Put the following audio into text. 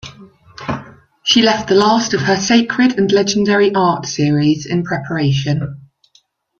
She left the last of her "Sacred and Legendary Art" series in preparation.